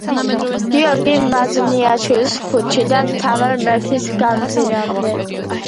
გიორგი მაზნიაშვილის ქუჩიდან თამარ მეფის გამზირამდე.